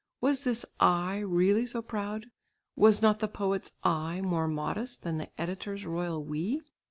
Was this "I" really so proud. Was not the poet's "I" more modest than the editor's royal "we"?